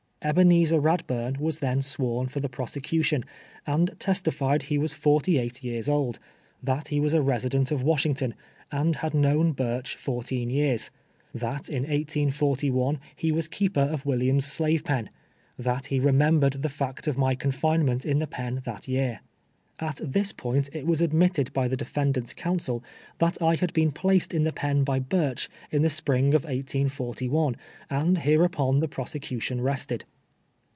Ehenezer Iladburn M as tlien swni'n for the prosecu tion, and testified he was forty eight years old ; that he was a resi dcut of AVasliington, and had known Burch fourteen years ; tliat in 18 11 he was keeper of Williams' slave }>en ; that he remembered tlie fact of my confinement in the pen that year. At this point it was admitted by the defendant's counsel, tliat I had been placed in the pen by Burch in the spring of 181:1, and hereupon the prosecution rested.